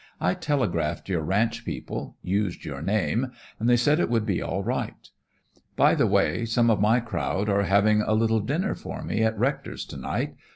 "I telegraphed your ranch people, used your name, and they said it would be all right. By the way, some of my crowd are giving a little dinner for me at Rector's to night.